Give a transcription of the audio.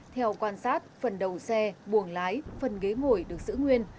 theo quan sát phần đầu xe buồng lái phần ghế ngồi được giữ nguyên